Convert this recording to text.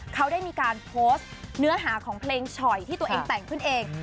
เขาได้มีการโพสต์เนื้อหาของเพลงฉ่อยที่ตัวเองแต่งขึ้นเอง